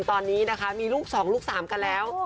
ตอนนี้นะคะมีลูก๒ลูก๓กันแล้ว